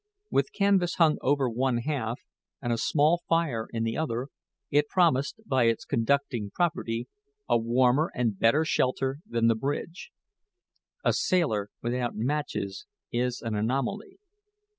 With canvas hung over one half, and a small fire in the other, it promised, by its conducting property, a warmer and better shelter than the bridge. A sailor without matches is an anomaly.